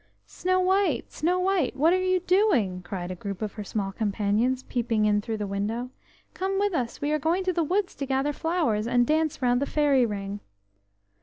"Snow white! Snow white! what are you doing?" cried a group of her small companions, peeping in through the open door. "Come with us; we are going to the woods to gather flowers, and dance round the fairy ring."